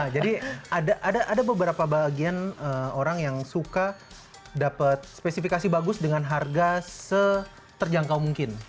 jadi ada beberapa bagian orang yang suka dapat spesifikasi bagus dengan harga seterjangkau mungkin